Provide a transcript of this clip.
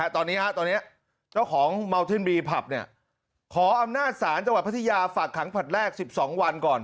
ตอนนี้เจ้าของเมาทินบีผับขออำนาจศาลจังหวัดพัทยาฝากขังผลัดแรก๑๒วันก่อน